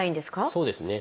そうですね。